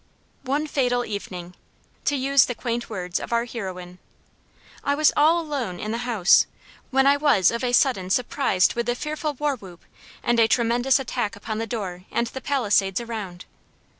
"One fatal evening," to use the quaint words of our heroine, "I was all alone in the house, when I was of a sudden surprised with the fearful war whoop and a tremendous attack upon the door and the palisades around.